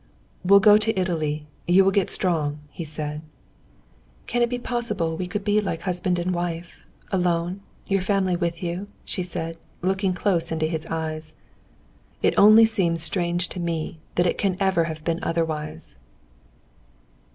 "We'll go to Italy; you will get strong," he said. "Can it be possible we could be like husband and wife, alone, your family with you?" she said, looking close into his eyes. "It only seems strange to me that it can ever have been otherwise."